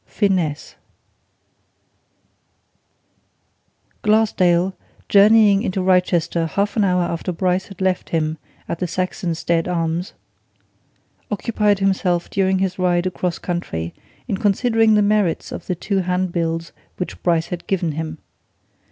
FINESSE Glassdale, journeying into Wrychester half an hour after Bryce had left him at the Saxonsteade Arms, occupied himself during his ride across country in considering the merits of the two handbills which Bryce had given him.